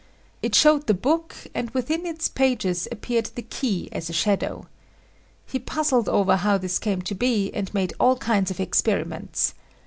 It showed the book and within its pages appeared the key as a shadow. He puzzled over how this came to be and made all kinds of experiments.